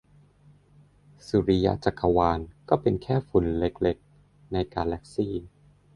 สุริยจักรวาล เป็นแค่ฝุ่นเล็กเล็ก ในกาแลกซี่